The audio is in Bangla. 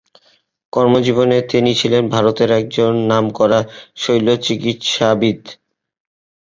কর্মজীবনে তিনি ছিলেন ভারতের একজন নামকরা শৈল্যচিকিৎসাবিদ।